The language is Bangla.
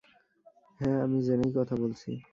হ্যাঁ আমি জেনেই কথা বলছি!